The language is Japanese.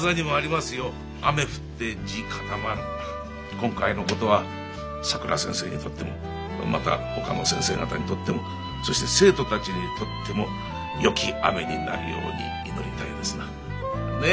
今回のことはさくら先生にとってもまたほかの先生方にとってもそして生徒たちにとってもよき雨になるように祈りたいですな。ね。